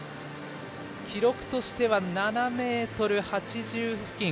記録としては７ｍ８０付近。